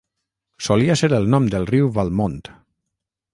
Solia ser el nom del riu Valmont.